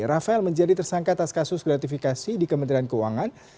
rafael menjadi tersangka atas kasus gratifikasi di kementerian keuangan